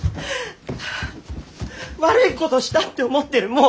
悪いことしたって思ってる。